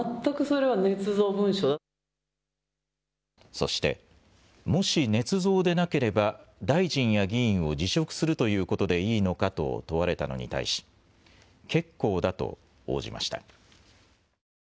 そして、もしねつ造でなければ大臣や議員を辞職するということでいいのかと問われたのに対し結構だと応じました。